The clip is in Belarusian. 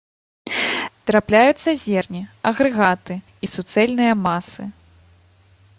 Трапляюцца зерні, агрэгаты і суцэльныя масы.